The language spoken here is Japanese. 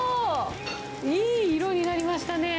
いい色になりましたね。